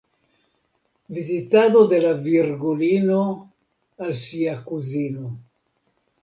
Vizitado de la Virgulino al sia kuzino.